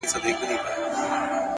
زړه مي دي خاوري سي ډبره دى زړگى نـه دی؛